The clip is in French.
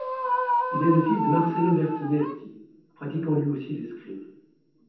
Il est le fils de Marcello Bertinetti, pratiquant lui aussi l'escrime.